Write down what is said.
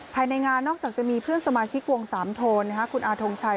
ภายในงานนอกจากจะมีเพื่อนสมาชิกวงสามโทนคุณอาทงชัย